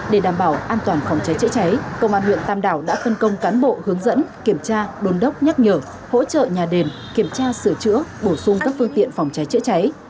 để đảm bảo an toàn phòng cháy chữa cháy công an huyện tam đảo đã phân công cán bộ hướng dẫn kiểm tra đồn đốc nhắc nhở hỗ trợ nhà đền kiểm tra sửa chữa bổ sung các phương tiện phòng cháy chữa cháy